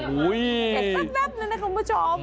แป๊บเลยนะคุณผู้ชม